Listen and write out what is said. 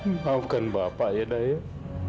maafkan bapak ya dayah